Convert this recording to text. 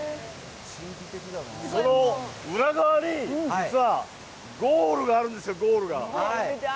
その裏側に実はゴールがあるんですよ、ゴールが。